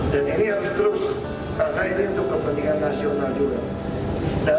dan ini harus terus karena ini untuk kepentingan nasional juga